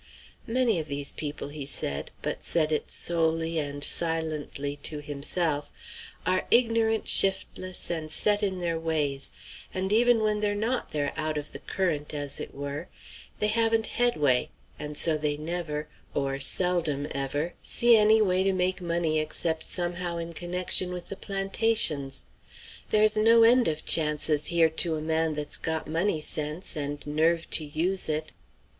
"Many of these people," he said, but said it solely and silently to himself, "are ignorant, shiftless, and set in their ways; and even when they're not they're out of the current, as it were; they haven't headway; and so they never or seldom ever see any way to make money except somehow in connection with the plantations. There's no end of chances here to a man that's got money sense, and nerve to use it."